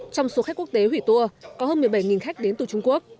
trong số khách quốc tế hủy tour có hơn một mươi bảy khách đến từ trung quốc